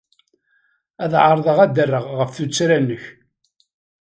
Ad ɛerḍeɣ ad d-rreɣ ɣef tuttra-nnek.